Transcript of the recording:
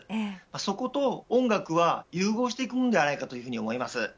そこと音楽は融合していくものではないかと思います。